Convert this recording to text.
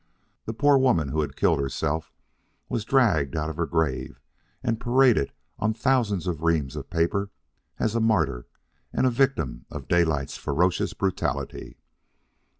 The poor woman who had killed herself was dragged out of her grave and paraded on thousands of reams of paper as a martyr and a victim to Daylight's ferocious brutality.